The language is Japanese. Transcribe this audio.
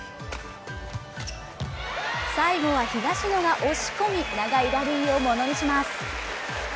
最後は東野が押し込み、長いラリーを物にします。